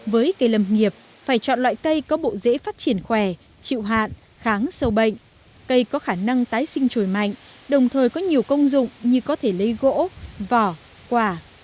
với cây lâm nghiệp phải chọn loại cây có bộ dễ phát triển khỏe chịu hạn kháng sâu bệnh cây có khả năng tái sinh trồi mạnh đồng thời có nhiều công dụng như có thể lấy gỗ vỏ quả